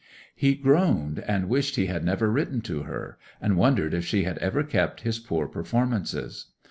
He groaned and wished he had never written to her, and wondered if she had ever kept his poor performances.